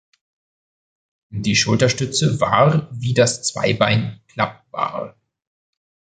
Die Schulterstütze war wie das Zweibein klappbar.